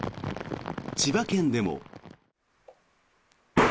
千葉県でも。